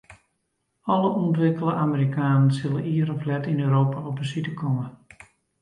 Alle ûntwikkele Amerikanen sille ier of let yn Europa op besite komme.